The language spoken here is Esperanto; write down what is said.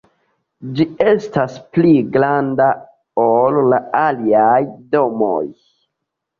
Ĝi estas pli granda ol la aliaj domoj.